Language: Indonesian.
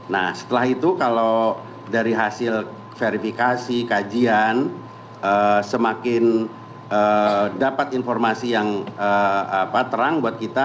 nah setelah itu kalau dari hasil verifikasi kajian semakin dapat informasi yang terang buat kita